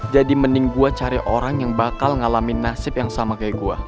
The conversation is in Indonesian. jadi mending gue cari orang yang bakal ngalamin nasib yang sama kayak gue